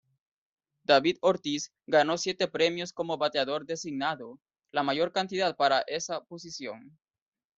David Ortiz ganó siete premios como bateador designado, la mayor cantidad para esa posición.